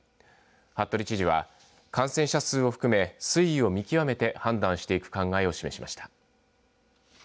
服部知事は感染者数を含め推移を見極めて判断していく考えを示しました。